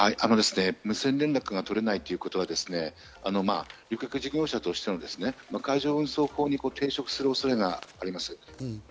無線連絡が取れないということは旅客事業者として法に抵触する可能性があります。